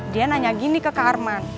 dia nanya gini ke kak arman